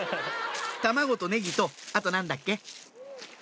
卵とネギとあと何だっけ？